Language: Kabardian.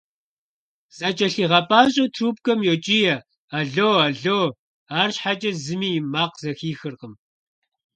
ЗэкIэлъигъэпIащIэу трубкэм йокIие: «Алло! Алло!» АрщхьэкIэ зыми и макъ зэхихыркъым.